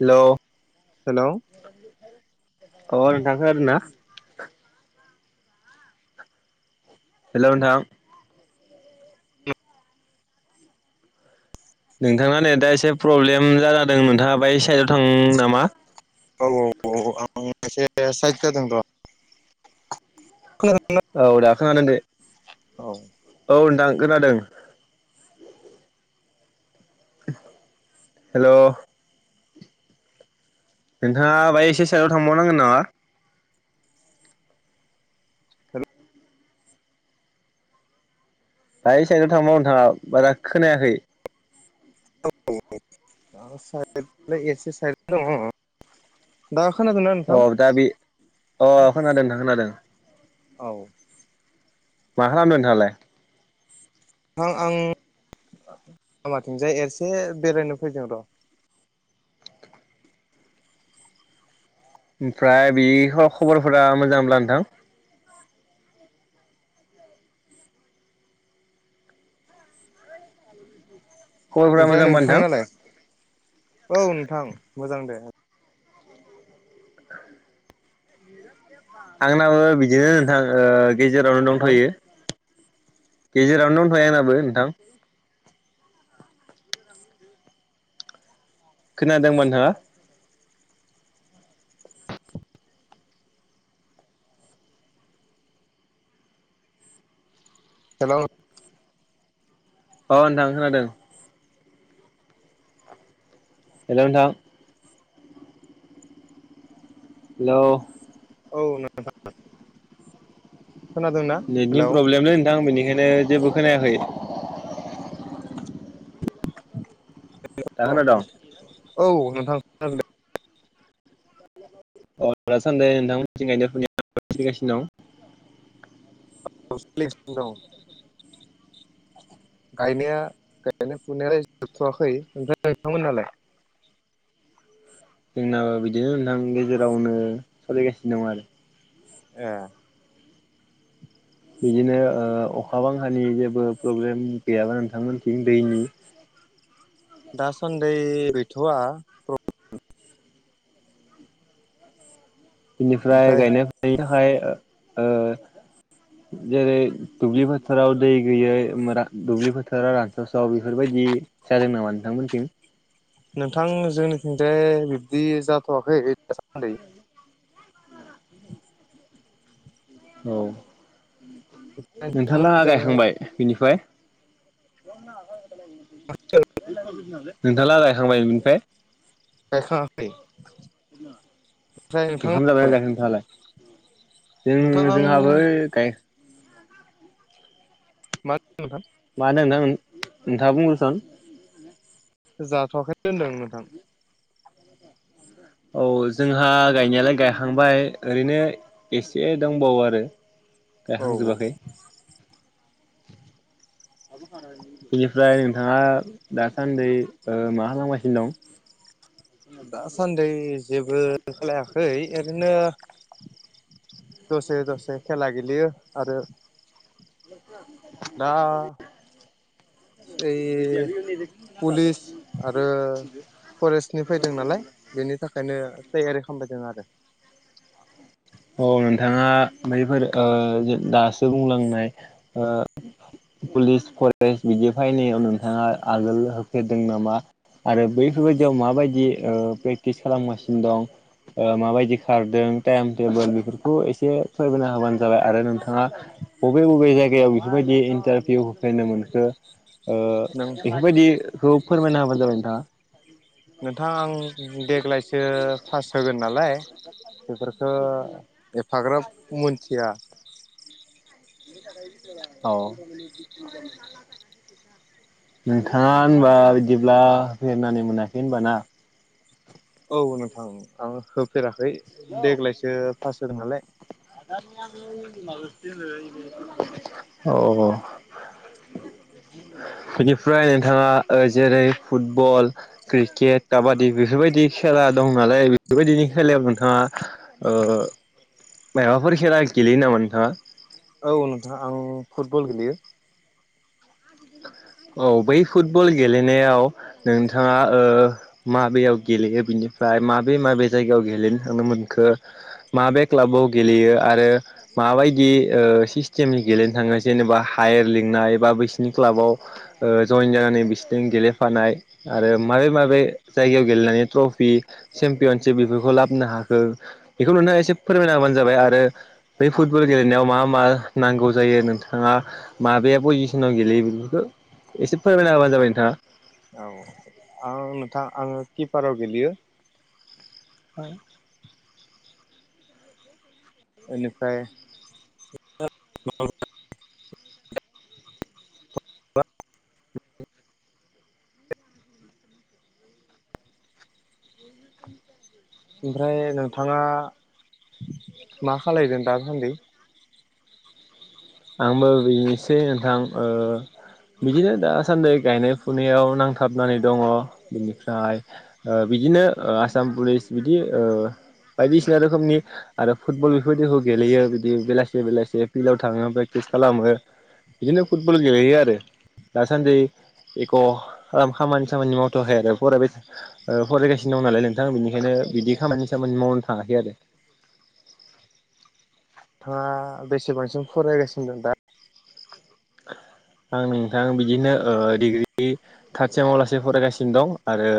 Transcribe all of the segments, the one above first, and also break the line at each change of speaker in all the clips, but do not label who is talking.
हेल'।
Hello.
ओ नोंथां खोनादोंना? हेल' नोंथां। नोंथाङा नेदा एसे प्रब्लेम जानादों नोंथाङा बै साइडआव थां नामा?
औ-औ-औ आं एसे साइद जादों र' [inaudible]
औ दा खोनदों दे
औ
औ नोंथां खोनादों। हेल'। नोंथाङा बाहाय एसे साइडआव थांबावनांगोन नामा? बाहाय साइडआव थांबाव नोंथाङा बारा खोनायाखै।
औ आं साइद एसे साइड दङ दा खोनादों ना
अ दा बे अ खोनादों नोंथां खोनादों।
औ।
मा खालामदों नोंथाङालाय?
नोंथां आं लामाथिंजाय एरसे बेरायनो फैदों र'।
ओमफ्राय बे खबरफोरा मोजांब्ला नोंथां? खबरफोरा
ओमफ्राय
मोजांबा
नोंथां नालाय औ नोंथां मोजां दे।
आंनाबो बिदिनो नोंथां ओ गेजेरावनो
नोंथां
दंथ'यो। गेजेरावनो दंथ'यो आंनाबो नोंथां। खोनादोंबा नोंथाङा?
हेल'
अ नोंथां खोनादों। हेल' नोंथां। हेल'
औ नोंथां। खोनादों ना
नेटनि प्रब्लेमलै नोंथां बेनिखायनो जेबो खोनायाखै दा खोनादों
औ नोंथां [unintelligible]
अ दासान्दे नोंथां [unintelligible] सोलिगासिनो दं
[unintelligible] दं गायनाया गायनाय फुनाया जोबथ'वाखै ओमफ्राय नोंथांमोन नालाय
जोंनाबो बिदिनो नोंथां गेजेरावनो सोलिगासिनो दं आरो
ए
बिदिनो अखा बांखानि जेबो प्रब्लेम गैयाबा नोंथांमोनथिं दैनि
दासान्दै गैथ'आ
बिनिफ्राय
ओमफ्राय
गायनाय फुनायनि थाखाय जेरै दुब्लि फोथाराव दै गैयै मोरा दुब्लि फोथारा रानसावसाव बेफोरबायदि जादों नामा नोंथांमोनथिं?
नोंथां जोंनिथिंजाय बिब्दि जाथ'वाखै दासान्दै।
औ नोंथांलाहा
नोंथांमोननिजाय
गायखांबाय बिनिफ्राय? नोंथालाला गायखांबाय बिनिफाय?
गायखांआखै।
ओंखाम जाबाय ना जायाखै नोंथाङालाय?
नोंथां
जों
आं
जोंहाबो गाय
मा होनदों नोंथां?
मा होनो नोंथां नोंथाङा बुंग्रोसन।
जाथ'वाखैनो होनदों नोंथां।
औ जोंहा गायनायालाय गायखांबाय ओरैनो एसे दंबावो आरो
औ
गायखांजोबाखै। बिनिफ्राय नोंथाङा दासान्दै ओ मा खालामगासिनो दं?
दासान्दि जेबो खालायाखै ओरैनो दसे दसे खेला गेलेयो आरो
[unintelligible]
दा ओरै पुलिस आरो फरेस्टनि फैदों नालाय बेनि थाखायनो थयारि खालामबायदों आरो।
औ नोंथाङा बैफोर ओ दासो बुंलांनाय ओ पुलिस फरेस्ट बिदि फैनायाव नोंथाङा आगोल होफेरदों नामा? आरो बैफोरबायदियाव माबायदि ओ प्रेक्टिस खालामगासिनो दं? माबायदि खारदों टाइम टेबोल बेफोरखौ एसे फोरमायना होबानो जाबाय आरो नोंथाङा बबे बबे जायगायाव बेफोरबायदि इन्टारभिउ होफेरनो मोनखो ओ
नों
बेफोरबायदिखौ फोरमायना होबानो जाबाय नोंथाङा।
नोंथां आं देग्लायसो पास होगोन नालाय बेफोर ओ एफाग्राब मिनथिया।
अह नोंथाङा होनबा बिदिब्ला होफेेरनानै मोनाखै होनबाना?
औ नोंथां आं होफेराखै देग्लायसो फास्ट होदों नालाय।
अह
[inaudible]
बेनिफ्राय नोंथाङा ओ जेरै फुटबल क्रिकेट काबादि बेफोरबायदि खेला दं नालाय बेफोरबायदिनि खेलायाव नोंथाङा ओ मायबाफोर खेला गेलेयो नामा नोंथाङा?
औ नोंथां आं फुटबल गेलेयो।
औ बै फुटबल गेलेनायाव नोंथाङा ओ माबेयाव गेलेयो बिनिफ्राय माबे माबे जायगायाव गेलेनो थांनो मोनखो माबे क्लाबाव गेलेयो आरो माबायदि ओ सिस्टेमनि गेलेनो थाङो जेनेबा हायार लिंनाय एबा बैसोरनि क्लाबाव ओ जइन जानानै बिसोरदों गेलेफानाय आरो माबे माबे जायगायाव गेलेनानै ट्रफि चेम्पियनशिप बेफोरखौ लाबोनो हाखो बेखौ नोंथाङा एसे फोरमायना होबानो जाबाय आरो बे फुटबल गेलेनायाव मा मा नांगौ जायो नोंथाङा माबे पजिसनाव गेलेयो बेफोरखौ एसे फोरमायना होबानो जाबाय नोंथाङा।
औ आ आं नोंथां आङो किपाराव गेलेयो।
[inaudible]
बेनिफ्राय [unintelligible] ओमफ्राय नोंथाङा मा खालायगोन दासान्दै?
आंबो बेनोसै नोंथां ओ बिदिनो दासान्दै गायनाय फुनायाव नांथाबनानै दङ बेनिफ्राय ओ बिदिनो ओ आसाम पुलिस बिदि ओ बायदिसिना रोखोमनि आरो फुटबल बेफोरबायदिखौ गेलेयो बिदि बेलासे बेलासे फिल्डाव थाङो ओमफ्राय टिस खालामो बिदिनो फुटबल गेलेयो आरो। दासान्दै एक' ओम खामानि सामानि मावथ'वाखै आरो फरायबाय ओ फरायगासिनो दं नालाय नोंथा बिनिखायनो बिदि खामानि सामानि मावनो थाङाखै आरो।
नोंथाङा बेसेबांसिम फरायगासिनो दं दा?
आं नोंथां बिदिनो ओ डिग्रि थार्द सेमाव लासेै फरायगासिनो दं आरो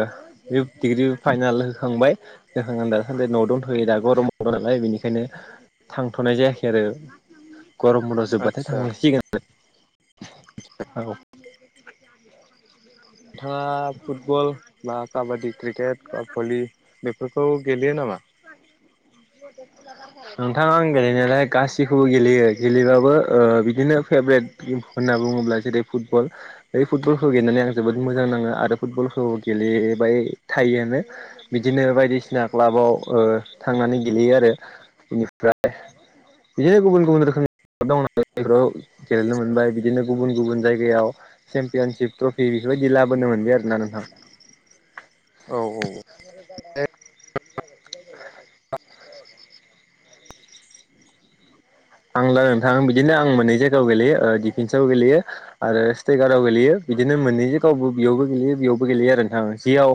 बेयाव डिग्रिबो फाइनाल होखांबाय जाखांना दासान्दै न'आव दंथ'यो दा गरम बन्द नालाय बेनिखायनो थांथ'नाय जायाखै आरो गरम बन्द जोब्बाथाय
आदसा
थांलायसिगोन औ
नोंथाङा फुटबल बा काबादि क्रिकेट बा भलि बेफोरखौ गेलेयो नामा?
[inaudible] नोंथा आं गेलेनायालाय गासिखौबो गेलेयो गेलेबाबो ओ बिदिनो फेभ्रेट किम होनना बुंङोब्ला जेरै फुटबल बे फुटबलखौ गेलेनानै आङो जोबोद मोजां नाङो आरो फुटबलखौ गेलेबाय थायोआनो। बिदिनो बायदिसिना क्लाबाव ओ थांनानै गेलेयो आरो बेनिफ्राय बिदिनो गुबुन गुबुन रोखोमनि [unintelligible] बेफोराव गेलेनो मोनबाय बिदिनो गुबुन गुबुन जायगायाव चेम्पियनशिप ट्रफि बेफोरबायदि लाबोनो मोनबाय आरोना नोंथां।
औ औ
[inaudible] आंलाय नोंथां बिदिनो आं मोननै जायगायाव गेलेयो ओ डिफेन्स आव गेलेयो आरो स्टेकाराव गेलेयो बिदिनो मोननै जागायावबो बेयावबो गेलेयो बेयावबो गेलेयो आरो नोंथां जेयाव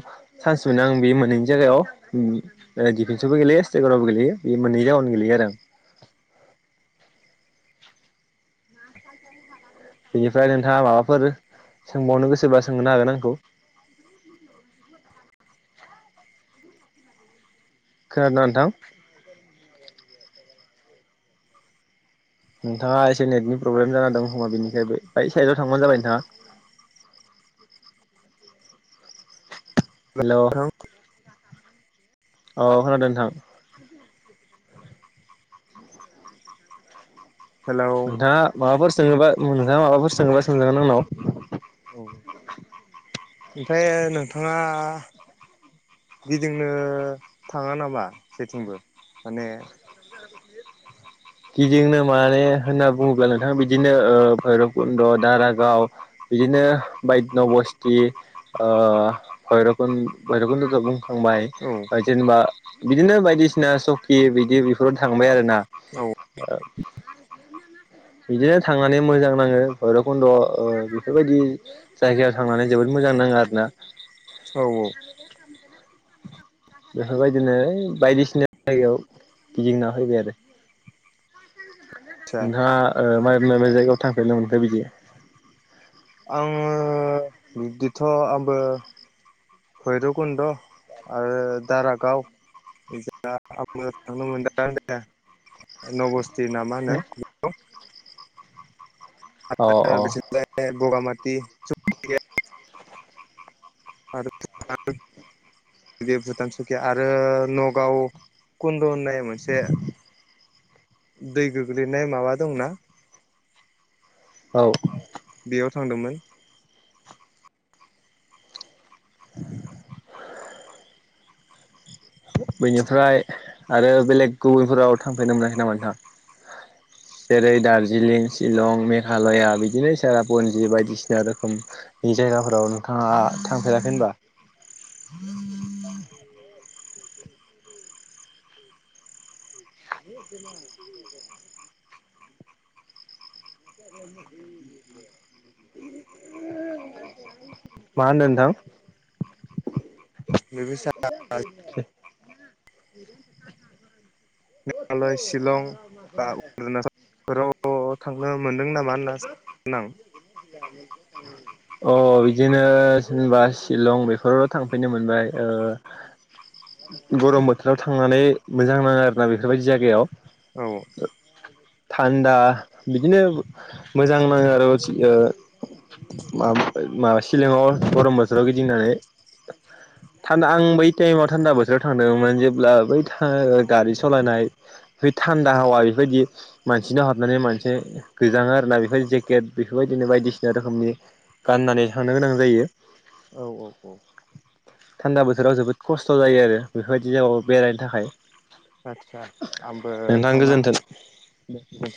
चान्स मोनो आं बे मोननैनि जायगायाव ओ दिफेसआवबोे गेलेयो स्टेकारावबो गेलेयो बे मोननै जायगायावनो गेलेयो आरो आं। बेनिफ्राय नोंथाङा माबाफोर सोंबावनो गोसोब्ला सोंनो हागोन आंखौ। खोनादों ना नोंथां? नोंथाङा एसे नेटनि प्रब्लेम जानानै दं खोमा बेनिखाय बे बाय साइडआव थांबानो जाबाय नोंथाङा। हेलौ औ खोनादों नोंथां।
हेलौ
नोंथाङा माबाफोर सोङोबा नोंथाङा माबाफोर सोङोबा सोंजागोन आंनाव।
ओमफ्राय नोंथाङा गिदिंनो थाङा नामा जेथिंबो माने
[unintelligible] गिदिंनो माने होनना बुङोब्ला नोंथाङा बिदिनो ओ भैरब कुन्द' दारागाव बिदिनो बायद्य' नबस्थि ओ भैरब भैरबकुन्द जों बुं थांबाय
औ
ओ जेनेबा बिदिनो बायदिसिना सकि बिदि बेफोराव थांबाय आरो ना।
औ
[unintelligible] बिदिनो थांनानै मोजां नाङो भैरबकुन्द ओ बेफोरबायदि जायगायाव थांनानै जोबोद मोजां नाङो आरो ना।
औ औ
बेफोरबायदिनो यै बायदिसिना जायगायाव गिदिंना फैबाय आरो।
आदसा
नोंथाङा ओ माबे माबे जायगायाव थांफेरनो मोनखो बिदि?
आङो बिब्दिथ' आंबो भैरबकुन्द आरो दारागाव
अ
[unintelligible]
अ
[unintelligible] [unintelligible] कुन्द' होननाय मोनसे दै गोग्लैनाय माबा दंना
औ
बेयाव थांदोंमोन। [inaudible]
बैनिफ्राय आरो बेलेग गुबुनफोराव थांफेरनो मोनाखै नोंथां?
[inaudible]
जेरै दार्जिलिं शिलं मेघालया बिदिनो सेरापुन्जि बायदिसिना रोखोम नि जायगाफोराव नोंथाङा थांफेराखै होनबा? [unintelligible]
[unintelligible]
[unintelligible] [unintelligible] मा होनदों नोंथां?
बे
[unintelligible]
मेघालय शिलं बा अरुनाचलफोराव अ थांनो मोनदों नामा होनना [unintelligible]
[unintelligible] अ बिदिनो जेनबा शिलं बेफोरावल' थांफेरनो मोनबाय ओ
[inaudible]
गरम बोथोराव थांनानै मोजां नाङो आरोना बेफोरबायदि जायगायाव।
औ
थान्दा बिदिनो मोजां नाङो आरो [unintelligible] माम ओ मा शिलंआव गरम बोथोराव गिदिंनानै।
[inaudible]
थान्दा आं बै टाइमाव थान्दा बोथोराव थांदोंमोन जेब्ला बै था ओ गारि सलायनाय बे थान्दा हावा बेबायदि मानसिनाव हाबनानै मोनसे गोजाङो आरोना बेफोर बायदि जेकेट बेफोरबायदिनो बायदिसिना रोखोमनि गाननानै थांनो गोनां जायो।
औ औ औ
थान्दा बोथोराव जोबोद खस्थ' जायो आरो बेफोरबायदि जागायाव बेरायनो थाखाय।
आदसा आंबो
नोंथां
थांला
गोजोन्थों
दे दे